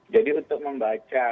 jadi untuk membaca